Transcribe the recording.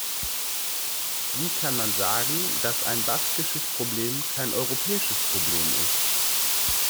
Wie kann man sagen, dass ein baskisches Problem kein europäisches Problem ist?